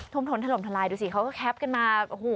ทมทนทะลมทะลายดูสิเขาก็แคปกันมา